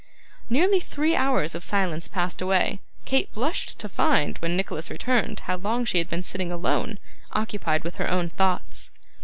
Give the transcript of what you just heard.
Nearly three hours of silence passed away. Kate blushed to find, when Nicholas returned, how long she had been sitting alone, occupied with her own thoughts.